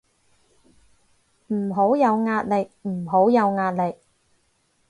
唔好有壓力，唔好有壓力